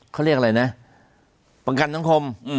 เขาเรียกอะไรนะประกันสังคม